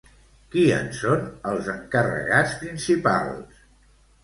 Qui en són els encarregats principals?